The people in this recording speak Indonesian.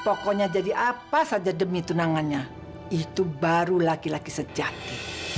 pokoknya jadi apa saja demi tunangannya itu baru laki laki sejati